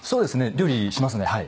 料理しますねはい。